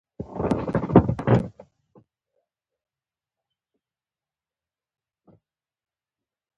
کله چې په شخړه پوه شئ.